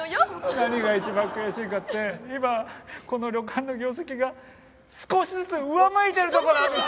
何が一番悔しいかって今この旅館の業績が少しずつ上向いているところなんです。